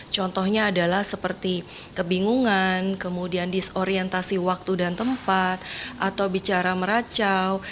contohnya adalah seperti kebingungan kemudian disorientasi waktu dan tempat atau bicara meracau